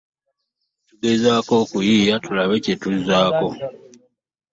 Tugezaako kuyiiya tulabe kye tuzzaako.